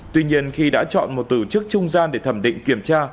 tuy nhiên khi đã chọn một tổ chức trung gian để thẩm định kiểm tra